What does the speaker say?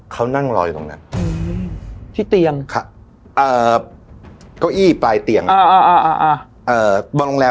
เขานั่งรออยู่ตรงนั้นที่เตียงเก้าอี้ปลายเตียงบางโรงแรม